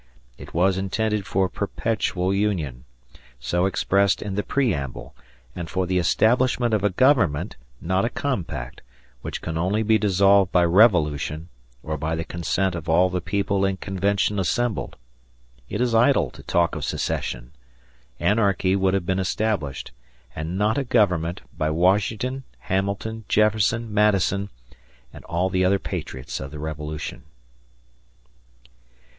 It was intended for "perpetual union", so expressed in the preamble, and for the establishment of a government, not a compact, which can only be dissolved by revolution, or by the consent of all the people in convention assembled. It is idle to talk of secession. Anarchy would have been established, and not a government, by Washington, Hamilton, Jefferson, Madison, and all the other patriots of the Revolution.